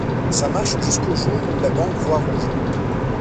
Ça marche jusqu'au jour où la banque voit rouge...